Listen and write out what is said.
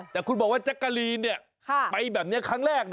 แต่คุณบอกว่าแจ๊กกะลีนไปแบบนี้ครั้งแรก